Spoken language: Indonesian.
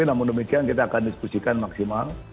namun demikian kita akan diskusikan maksimal